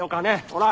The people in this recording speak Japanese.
ほら！